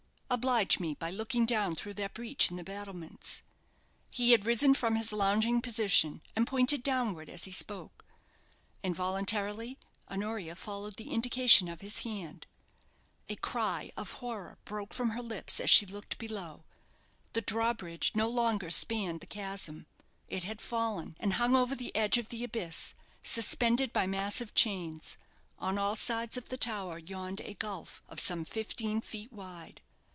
"Oblige me by looking down through that breach in the battlements." He had risen from his lounging position, and pointed downward as he spoke. Involuntarily Honoria followed the indication of his hand. A cry of horror broke from her lips as she looked below. The drawbridge no longer spanned the chasm. It had fallen, and hung over the edge of the abyss, suspended by massive chains. On all sides of the tower yawned a gulf of some fifteen feet wide.